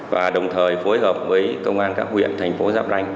và đồng thời phối hợp với công an các huyện thành phố giáp ranh